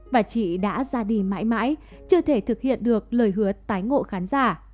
và chị đã ra đi mãi mãi chưa thể thực hiện được lời hứa tái ngộ khán giả